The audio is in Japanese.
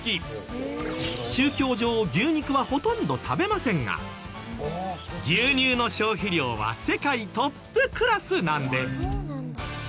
宗教上牛肉はほとんど食べませんが牛乳の消費量は世界トップクラスなんです！